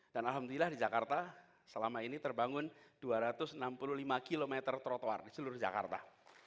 dan alhamdulillah di jakarta selama ini terbangun dua ratus enam puluh lima km trotoar di seluruh jakarta